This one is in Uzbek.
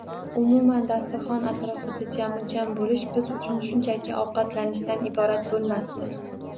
Umuman, dasturxon atrofida jamuljam bo`lish biz uchun shunchaki ovqatlanishdan iborat bo`lmasdi